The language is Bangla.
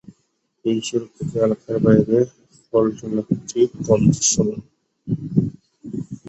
এই সুরক্ষিত এলাকার বাইরে, ফল্ট এলাকাটি কম দৃশ্যমান।